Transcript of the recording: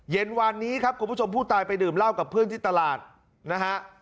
เย็นวานนี้ครับคุณผู้ชมผู้ตายไปดื่มเหล้ากับเพื่อนที่ตลาดนะฮะ